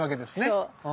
そう。